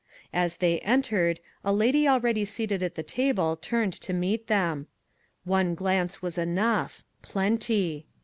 As they entered, a lady already seated at the table turned to meet them. One glance was enough plenty.